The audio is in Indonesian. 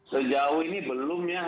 sejauh ini belum ya